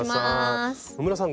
野村さん